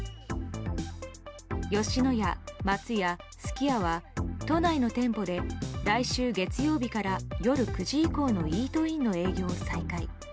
吉野家、松屋、すき家は都内の店舗で来週月曜日から夜９時以降のイートインの営業を再開。